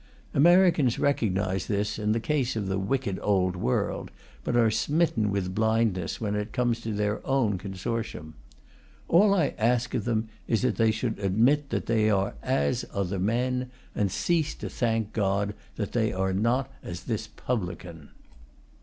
Americans recognize this in the case of the wicked Old World, but are smitten with blindness when it comes to their own consortium. All I ask of them is that they should admit that they are as other men, and cease to thank God that they are not as this publican.